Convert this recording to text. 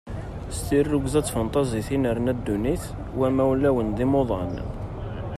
S tirrugza d tfenṭaẓit i nerna ddunit, wamma ulawen d imuḍan.